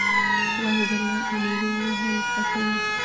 وحيدالله اميري ئې هم زده کوي.